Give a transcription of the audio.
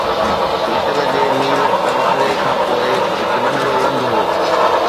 پيتل جي نيل دروازي کان پوءِ هڪ ننڍڙو لنگهه هو